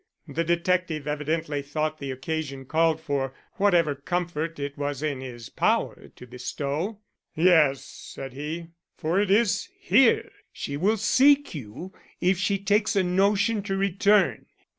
The detective evidently thought the occasion called for whatever comfort it was in his power to bestow. "Yes," said he. "For it is here she will seek you if she takes a notion to return.